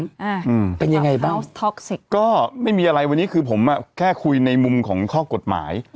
อืมเป็นยังไงบ้างเอาท็อกซิกก็ไม่มีอะไรวันนี้คือผมอ่ะแค่คุยในมุมของข้อกฎหมาย